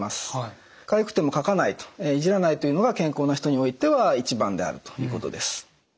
かゆくてもかかないいじらないというのが健康な人においては一番であるということです。